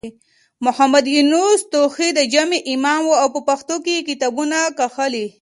محمد يونس توخى د جامع امام و او په پښتو کې يې کتابونه کښلي.